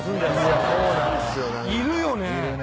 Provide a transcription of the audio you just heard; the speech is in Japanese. いるよね。